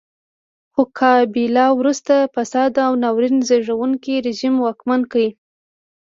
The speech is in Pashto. خو کابیلا وروسته فاسد او ناورین زېږوونکی رژیم واکمن کړ.